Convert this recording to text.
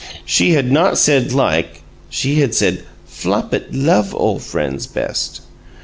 She had not said "like"; she had said, "Flopit LOVE ole friends best"!